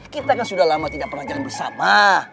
kita kan sudah lama tidak pernah jalan bersama